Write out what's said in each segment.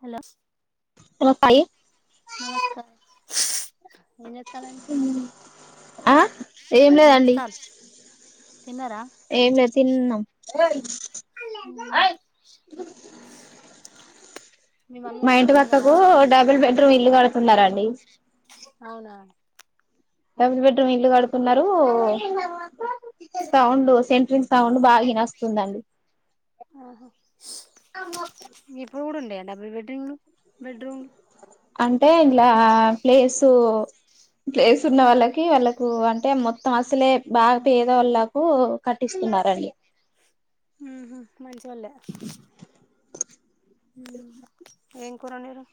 hello hello Sai నమస్కారం ఏం జెత్తనండి ఆ ఏం లేదండి తిన్నారా ఏం లేదు తిన్నాం మ్మ్ మమ్మీ మా వాళ్ళు ఇంటి మంచిగా ఉన్నారా పక్కకు డబుల్ బెడ్రూమ్ ఇల్లు కడుతున్నారండి అవునా డబుల్ బెడ్రూమ్ ఇల్లు కడుతున్నారు సౌండ్ సెంట్రింగ్ సౌండ్ బాగా ఇనస్తుందండి ఇప్పుడు కూడుండే డబుల్ బెడ్రూమ్లు బెడ్రూమ్లు అంటే ఇంలా ప్లేసు ప్లేస్ ఉన్న వాళ్ళకి వాళ్ళకు అంటే మొత్తం అసలే బాగా పేదో వాళ్ళకు కట్టిస్త మరండి ఉ మంచోళ్లే ఏం కూర అన్నిండ్రు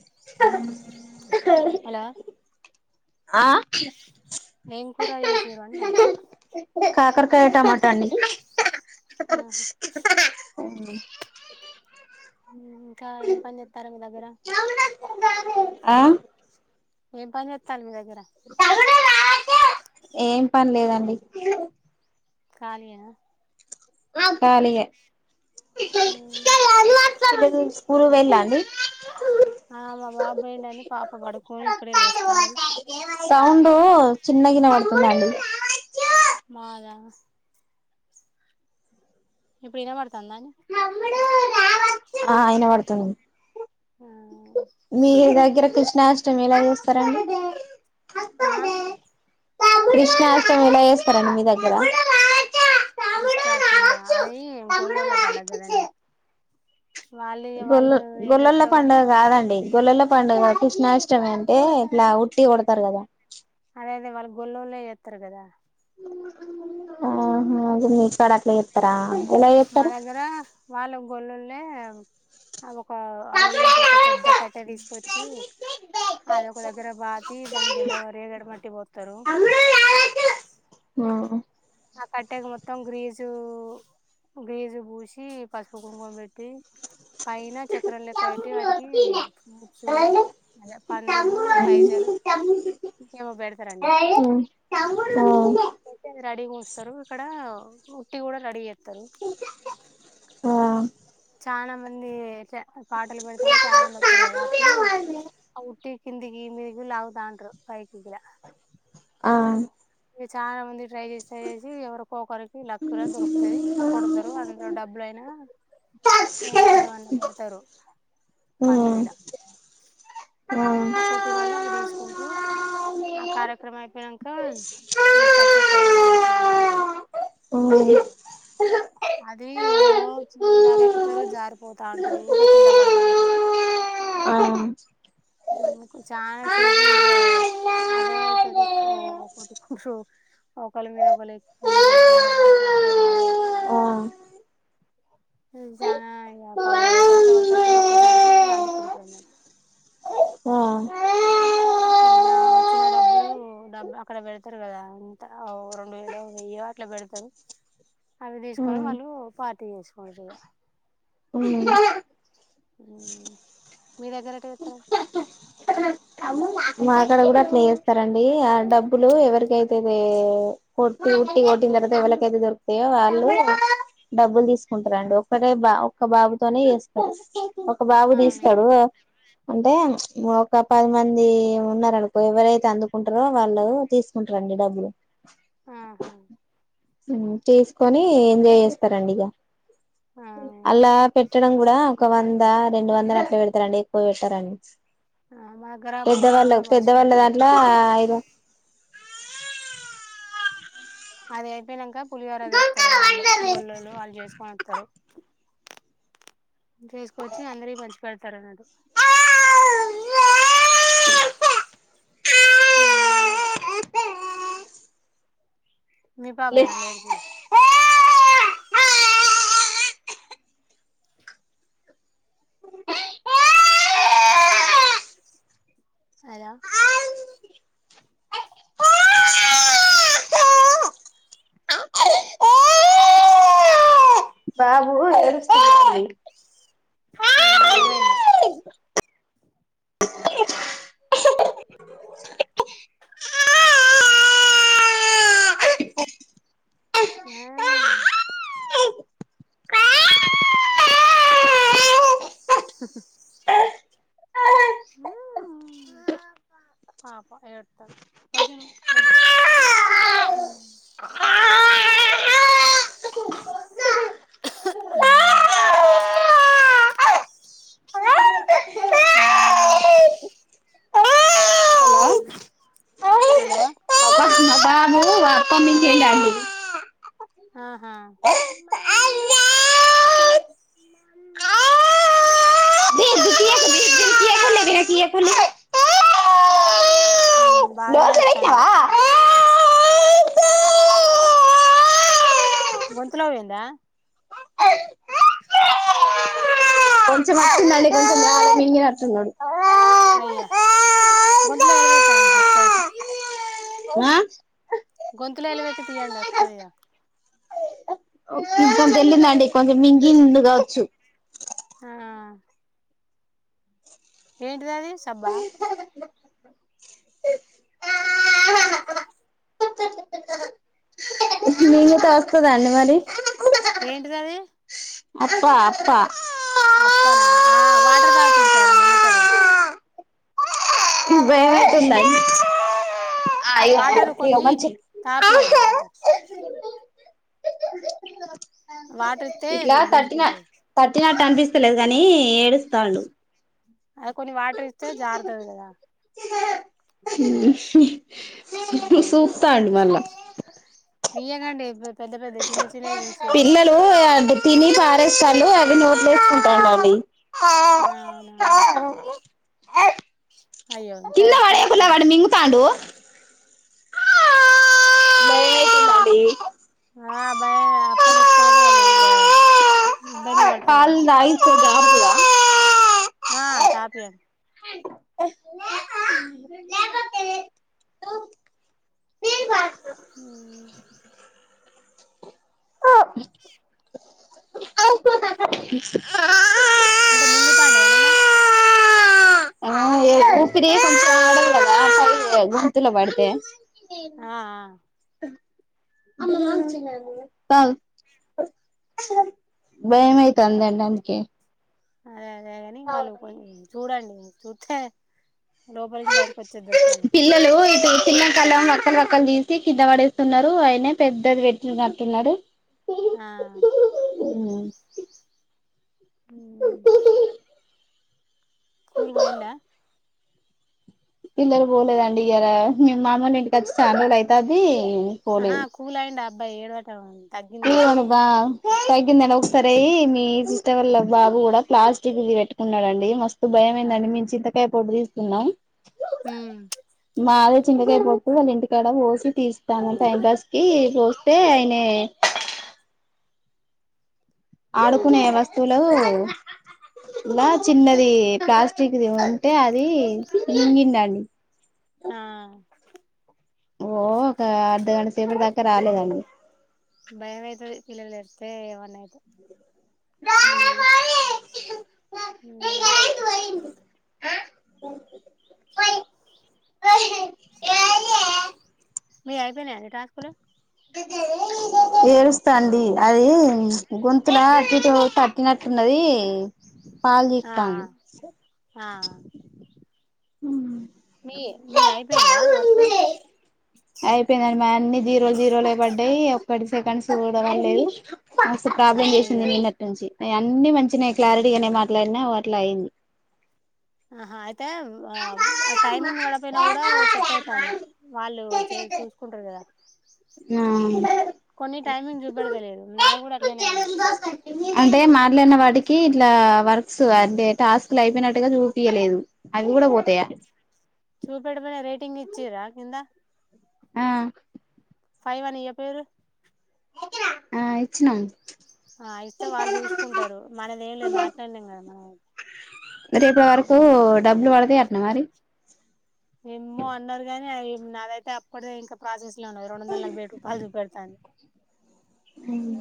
[inaudible] హలో ఆ ఏం కూర చేసిర్రు అంటాను కాకరకాయ టమాటా అండి ఆహా [inaudible] ఇంకా ఏం పని చెస్తారు మీ దగ్గర ఆ ఏం పని చేస్తారు మీ దగ్గర ఏం పని లేదండి ఖాళీ గానే కాళీ స్కూల్ కి వెళ్లండి ఆ మా బాబా ఏంట అని పాప పడుకొని ఇప్పుడే లేస్తాండి డ్ చిన్నగా వినబడుతుంది మాదా ఇప్పుడు వినబడుతుందా ఆ ఇ యిన పడుతుంది ఉ మీ దగ్గర కృష్ణాష్టం ఎలా చేస్తారడి ఆ కృష్ణాష్టమి ఎలా చేస్తారండి మీ దగ్గర బిష్టాష్టమా అది గోల్లోల్లో పండుగా కదండి వాళ్ళు గొల్ వాళ్ళు ఏం గొల్లల చేస్తారో కాని పండుగ కాదండి గొల్లల పండుగ కష్ణాష్టం అంటే ఇట్లా ఉట్టి కొడతారు కదా అదే అదే వాళ్ళ గొల్లళ్ళ చేస్తారు కదా ఉహు సరే అట్లా చేస్తారా ఎలా మా చేస్తారు దగ్గర వాళ్ళ గొళ్ళలే అ ఒక అడవి నుంచి ఒక పెద్ద కట్టె తీసుకొచ్చి అదిఓక దగ్గర బాతి దాని కింద వ రేగడమట్టి పోతారు ఉ ఆ కట్టెక మొత్తం గ్రీజు గ్రిజు పూసి పసుపు కుంకుంమా పెట్టి పైన ఆ చక్రం లేక్క కాబట్టి వాటికి ఫూ చు అదే పండ్లున్న పైసాలు ఇంకేమో పెడతారండి అయిపొయింది రడీ ఎంస్తారు ఇక్కడ ఉట్టి కూడా రెడీ చేస్తారు చాలా మంది పాటలు పడతారుంట చాలా మంది వస్తారు కదా అప్పుడు ఆ ఉట్టి కిందగి మిది కి లాగుతా వుంటారు ఆ ఇ చాలా మంది ట్రై చేసి ట్రై చేసి ఎవరో ఓకరికి లక్ గా దొరుకుతుంది కొడతారు అందులో డబ్బులుయినా ఏ ఏమన్నా పెడతారు పండ్లు ఇలా ఆ కొట్టినోళ్లు అవి తీసుకుంట్రు ఆ కార్యక్రమం అయిపోయినాక ఈ కట్టెక్కడ ఓ [inaudible] అది ఓ చివరిదాగా ఎక్కుతారు జారిపోతా అంటూ ఊగా కింద పడతా ఉంటారు ఉమ్ చాలా సేపు ఇగ అదే అయితది ఓ కొట్కు ఒకరి మీద ఒకల్లు ఎక్కి గింద పడుతాండ్రు మళ్ళా ఎక్కుతాండ్రు ఉమ్ చానా పాపం వాడు కష్టపడి కష్టపడి ఒక్కోసారికి ఒకసారికి అందుకుంటుర్రు ఊమ్ ఆ ఇకా వచ్చిన డబ్బులు డబ్బు అక్కడ పెడతారు కదా అంత రెండు వేలో వెయ్యి ఇట్లా పెడతారు అవి తీసుకొని వాళ్ళు పార్టీ చేసుకుంటరు ఉమ్ హా మ్ మీ దగ్గర ఎట్ట చెత్తరు అమ్మమ్మ మా అక్కడ కూడా అట్లా చేస్తారండి ఆ డబ్బులు ఎవరికైతేద ఉట్టి కొట్టి కొట్టింది ఇర దలకయితే దొరుకుతాయో వాళ్ళు డబ్బులు తీసుకుంటారండి ఒక్కటే బా ఒక్క బాబుతోనే ఒక బాబు అవునా తీస్తాడు అంటే ఒక పది మంది ఉన్నారనుకో ఎవరైతే అందుకుంటారో వాళ్ళు తీసుకుంట రండి డబ్లు ఆహా ఉమ్ తీసుకొని ఎంజాయ్ చేస్తారండి ఇగ ఆ అలా పెట్టడం కూడా ఒక వంద రెండు వందలు అట్ల పెడతారండి పో ఎటారని ఆ మా దగ్గర పులిహార కూడా పెద్దవాళ్ళ పంచిపెడతారు దాంట్లో ఐదు అది అయిపోయినాక పులిహోర తెత్తారు గుంకలు వాళ్ళే వండరు గొల్లోళ్ళు వాళ్ళు చేసుకొని వత్తరు చేసుకొచ్చి అందరి పంచి పెడతారు అన్నట్టు ఉమ్ మీ లే పాబే నా అండి ఏడ్చేది హలో [inaudible] బాబూ ఏడుస్తున్నాడు ఆ ఏమైందో [inaudible] ఆ [inaudible] హ [inaudible] పాపా పాపా ఏడతను బజ్జోనా బజ్జో [inaudible] [inaudible] హ్మ్ హలో అబ్బా మా బాబు అప్పమ్మించేయండి ఆహా మామ్మ మమ్మ ఫలే నా ఫ [inaudible] మమ్మ ఉమ్ బానే ఏడ్తాండుగ గొంతులో వోయిందా ఇ అోడి [inaudible] అయ్యా గొంతలో వేలు పెట్టండి వత్త గొంతులో వెలు పెట్టి తీయండి వస్తుందిద తెల్లిందండి కొంచెం మింగింది కావచ్చు ఆ ఏంటిదాది సబ్బా వస్త ధాన్ని మరి ఏంటిదది అప్పా అప్పా అప్పనా ఆ వాటర్ తాపించాడు మింగతారుగా వెేతున్నాయి వాటరు కొన్ని తపియంండి వాటర్ వాటర్ ఇస్తే ఇట్లా థర్టీ నా గుంజుకుంటాయి థర్టీ నాట్ అనిపిస్తలేదు కానీ ఏడుస్తాడు అద కొన్ని వాటర్ ఇస్తే జార్దది కదా హ్మ్ చుతాడు మళ్ళ వియగాండి పెద్ద పెద్ద చిన్న చిన్నవి ఉంచేయాలి పిల్లలు అ తిని పరిస్థాలు అది నోట్లు వేసుకుంటాండండి ఆ అవునా అయ్యో ఇంకా ఎడతానట్టుంది వాడి మింగుతాడు డి ఆ బాయ అప్పలి ఇర్కబోదు అలిగ ఇబ్బంది పడతారు కదా పాలు తాగిస్తే జారుతదా ఆ తపియండి లేకపోతే ఉమ్ అంటే మింగుతాడా ఏమన్నా ఆ ఏ ఊపిరి కొంచం ఆడదు కదా సరిగా గొంతుల పడితే ఆ ఆ తగ్గు భయం అయితది అండి అందుకే అదే అదేగాని వాళ్ళు కొం చూడండి చూస్తే లోపలికి బయటకి వచ్చ పిల్లలు ఇటు పిల్లం కళ్ళం వక్కలు వక్కలు వక్కలు తీసి కింద పడేస్తున్నారు అయినే పెద్దది పెట్టి కట్టున్నాడు ఆ కూరుపోయిందా పిల్లలు పోలేదండి ఇయ్యాల మేం మా అమ్మ ఒళ్ళు ఇంటికి వచ్చి బాగా రోజులు అయితది ఆహా కూల అయిండ అబ్బాయి ఏడవటం తగ్గింది తీ కదా అడు బా తగ్గిందండి ఒకసారి మీ సిస్టర్ వాళ్ళ బాబు కూడా ప్లాస్టిక్ ఇది పెట్టుకున్నాడుడండి మస్తు ఆ భయమైందండి మేం చింతకాయ పొట్టు తీస్తున్నాం ఉమ్ మాదే చింతకాయ పొట్టు వాళ్ళ ఇంటికాడ పోసి తీస్తాను టైంపాస్ కి పోస్తే ఆయనే ఆడుకునే వస్తువులు ఇలా చిన్నది ప్లాస్టిక్ కిది అంటే అది మింగిండండి ఆ ఓ ఒక అర్ధగంట సేపటీ దాకా రాలేదండి భయంమైతది పిలలు ఏడుతే ఏం అన్న అయితే నా మ ఉమ్ ఉ పోయి మీ ఆయిపోయినయా అండి టాస్కులు ఏడుస్తాండి అది గొంతులా తో తట్టినట్టు ఉన్నది పాలు ఆ తీత్తాంది ఆ హ్మ్ మీ మీది అయిపోయిందా వర్క్ అయిపోయిందండి మా అన్ని జీరోలు జీరోలే పడ్డాయి ఒకటి సెకండ్స్ కూడా పడలేదు ప్రాబ్లమ్ చేసింది అయ్యో నిన్నటి నుంచి అన్ని మంచిగనే క్లారిటీగానే మాట్లాడినా అట్లా అయింది ఆహా అయి తే ఆ ఆ టైమింగ్ పడకపోయినా కూడా సెట్ అవుతుంది వాళ్ళు చే చూసుకుంటారు కదా ఆ కొన్ని టైమింగ్ చూపెడతలేదు నాకు కూడా అట్లనేయంది సేము అంటే మాట్లాడిన వాటికి ఇట్లా వర్క్స్ అంటే టాస్క్ లు అయిపోయినట్టుగా చూపియలేదు అవి కూడా పోతాయా చూపెడు మనే రేటింగ్ ఇచ్చిరా కింద ఆ ఫైవ్ అని ఇయ్యపోయేరు ఆ ఇచ్చినం ఆ ఇస్తే వాళ్ళు చూసుకుంటారు మనది ఏం లేదు మాట్లాడినేం కదా మనము ఐతే ఇప్పటి వరకూ డబ్బులు పడతాయి అట్నా మరి ఏమో అన్నారు గానీ అయి నాదైతే అప్పడిదే ఇంకా ప్రాసెస్ ట్లన్నది రెండు వందల నలభై ఏడు రూపాయలు జూపెడుతాంది ఉమ్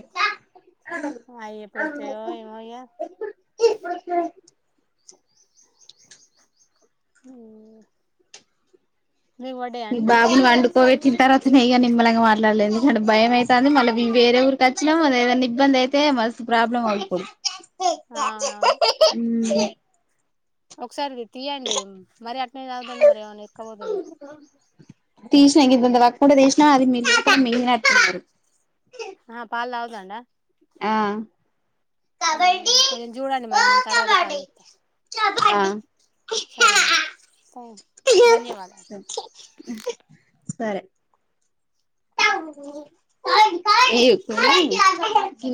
అయయ్యి ఎప్పుడొత్తాయో ఏమో ఇగ ఊ మీ బాబుని వండుకోవే తింటారా తినేయ్ అని నిమ్మలంగా మాట్లాడలే ఎందుకంటే భయమైతాంది మళ్ళీ వేరే ఊరికి వచ్చినం ఏదైనా ఇబ్బంది అయితే మస్తు ప్రాబ్లం ఐ పాల పొడి ఆ ఔనవును ఒకసారి ఇది తియ్యండి మరీ అట్నే తాగుదండి మరి ఏమన్నా ఎక్కబోతాది తీసినా ఇం [unintelligible] వర్క్ ఉంటే తీసినా అది [inaudible] లండా ఆ ఊ కబడ్డీ కొంచెం చూడండి ఓ మరి నేను తర్వాత కాల్ కబడ్డీ చేత్తా ఆ సరే అండి స ధన్యవాదాలు సరే ఈ కు